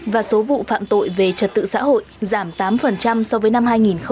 và số vụ phạm tội về trật tự xã hội giảm tám so với năm hai nghìn một mươi tám